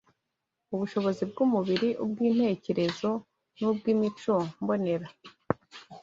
ubushobozi bw’umubiri ubw’intekerezo n’ubw’imico mbonera.